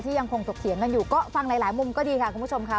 ยังคงถกเถียงกันอยู่ก็ฟังหลายมุมก็ดีค่ะคุณผู้ชมค่ะ